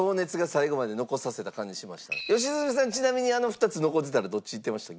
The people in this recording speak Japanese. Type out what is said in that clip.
良純さんちなみにあの２つ残ってたらどっちいってました？